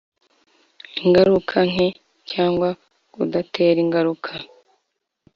Ingaruka nke cyangwa kudatera ingaruka